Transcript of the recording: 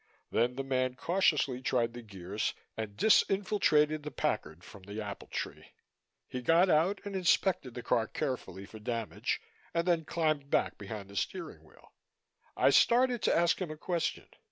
Then the man cautiously tried the gears and disinfiltrated the Packard from the apple tree. He got out and inspected the car carefully for damage and then climbed back behind the steering wheel. I started to ask him a question.